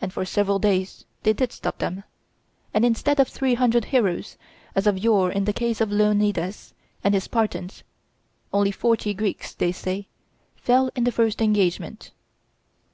And for several days they did stop them; and instead of three hundred heroes, as of yore in the case of Leonidas and his Spartans, only forty Greeks, they say, fell in the first engagement.